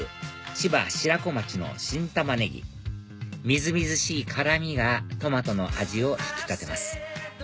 千葉・白子町の新玉ネギみずみずしい辛みがトマトの味を引き立てます